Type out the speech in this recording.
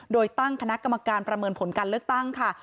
โดยตั้งคณะกรรมการประเมินผลการเลือกตั้งค่ะ